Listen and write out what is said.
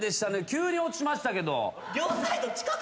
急に落ちましたけど。